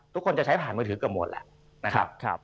ทุกคนจะใช้ผ่านมือถือกับหมดแหละ